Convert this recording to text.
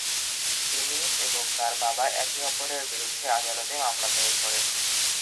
তিনি এবং তার বাবা একে অপরের বিরুদ্ধে আদালতে মামলা দায়ের করেন।